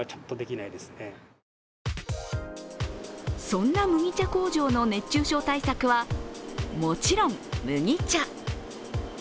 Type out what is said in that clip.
そんな麦茶工場の熱中症対策はもちろん麦茶。